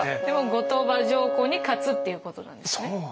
でも後鳥羽上皇に勝つっていうことなんですよね？